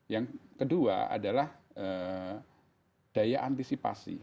yang kedua adalah daya antisipasi